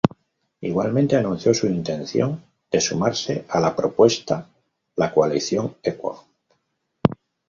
Igualmente anunció su intención de sumarse a la propuesta la coalición Equo.